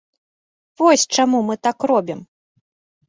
Вось чаму мы так робім.